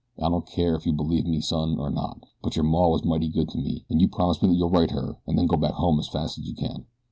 I don't care ef you believe me, son, or not; but your maw was mighty good to me, an' you promise me you'll write her an' then go back home as fast as you can.